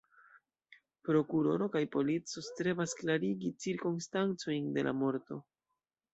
Prokuroro kaj polico strebas klarigi cirkonstancojn de la morto.